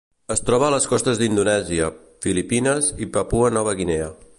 Es troba a les costes d'Indonèsia, Filipines i Papua Nova Guinea.